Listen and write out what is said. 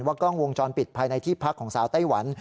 กล้องวงจรปิดภายในที่พักของสาวไต้หวัน